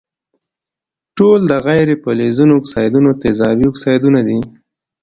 ټول د غیر فلزونو اکسایدونه تیزابي اکسایدونه دي.